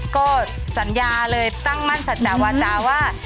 ก็สัญญาเลยตั้งมั่นสัจจาวาจาว่า